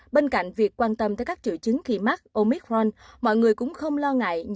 bên cạnh việc quan tâm tới các triệu chứng khi mắc omicron mọi người cũng không lo ngại